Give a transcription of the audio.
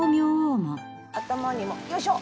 頭にもよいしょ！